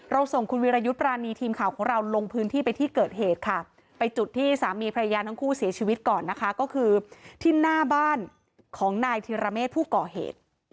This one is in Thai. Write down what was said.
ส่งคุณวิรยุทธ์ปรานีทีมข่าวของเราลงพื้นที่ไปที่เกิดเหตุค่ะไปจุดที่สามีพระยาทั้งคู่เสียชีวิตก่อนนะคะก็คือที่หน้าบ้านของนายธิรเมฆผู้ก่อเหตุ